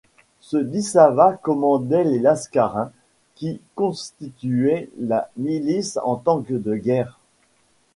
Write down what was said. Ce Dissava commandait les Lascarins, qui constituaient la milice en temps de guerre.